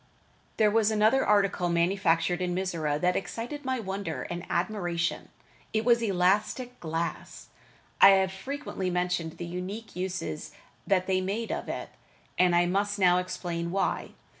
There was another article manufactured in Mizora that excited my wonder and admiration. It was elastic glass. I have frequently mentioned the unique uses that they made of it, and I must now explain why.